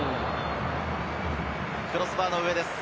クロスバーの上です。